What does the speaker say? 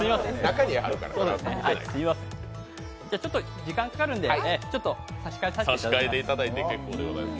じゃあ時間かかるんで差し替えさせていただきます。